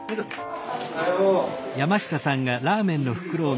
おはよう。